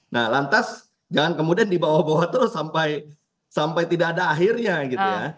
nah lantas jangan kemudian dibawa bawa terus sampai tidak ada akhirnya gitu ya